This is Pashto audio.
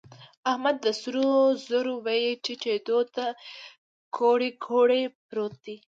احمد د سرو زرو بيې ټيټېدو ته کوړۍ کوړۍ پروت دی.